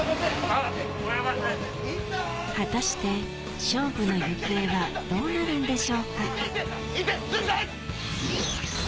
果たして勝負の行方はどうなるんでしょうか？